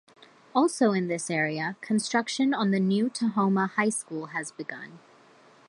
Also in this area, construction on the new Tahoma High School has begun.